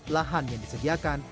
lahan yang disediakan